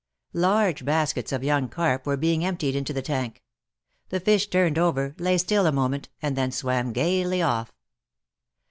Large baskets of young carp were being emptied into the tank. The fish turned over, lay still a moment, and then swam gayly off.